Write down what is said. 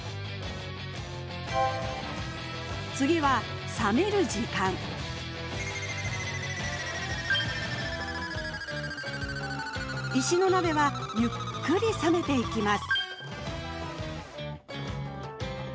次は冷める時間石の鍋はゆっくり冷めていきます